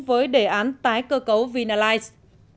với đề án tái cơ cấu vinalize